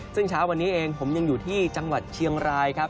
ซึ่งเช้าวันนี้เองผมยังอยู่ที่จังหวัดเชียงรายครับ